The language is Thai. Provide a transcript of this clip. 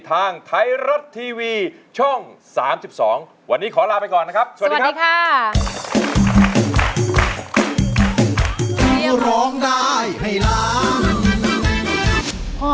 ทางไทยรัฐทีวีช่อง๓๒วันนี้ขอลาไปก่อนนะครับสวัสดีครับ